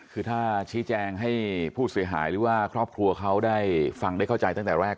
คือถ้าชี้แจงให้ผู้เสียหายหรือว่าครอบครัวเขาได้ฟังได้เข้าใจตั้งแต่แรก